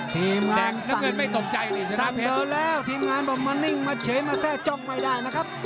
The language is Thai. นำเงินไม่ตกใจนี่ชนะเพชร